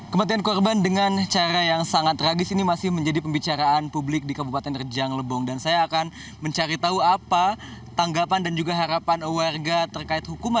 kematian korban dengan cara yang sangat tragis ini masih menjadi pembicaraan publik di kabupaten rejang lebong dan saya akan mencari tahu apa tanggapan dan juga harapan warga terkait hukuman